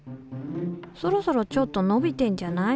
そろそろちょっと伸びてんじゃない？